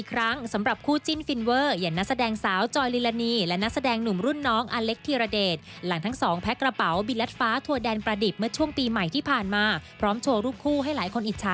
เขาบอกว่าไปเที่ยวที่ประเทศญี่ปุ่นกันมาไม่ได้ไปกับหลายคนนะจ๊ะ